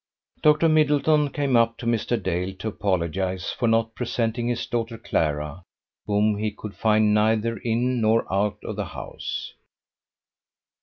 Dr. Middleton came up to Mr. Dale to apologize for not presenting his daughter Clara, whom he could find neither in nor out of the house.